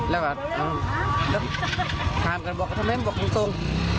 แล้วก็ถามกันบอกทำไมบอกตรง